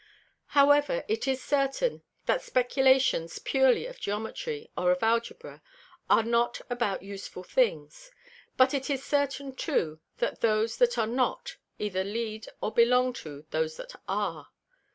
However, it is certain, that Speculations purely of Geometry, or of Algebra, are not about useful things: But it is certain too, that those that are not, either lead or belong to those that are.